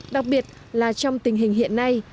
đặc biệt là trong tình hình hiện nay